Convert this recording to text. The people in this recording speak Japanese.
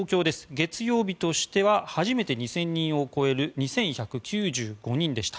月曜日としては初めて２０００人を超える２１９５人でした。